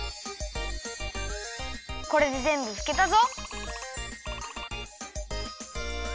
これでぜんぶふけたぞ！